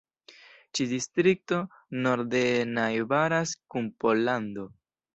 Ĉi-distrikto norde najbaras kun Pollando.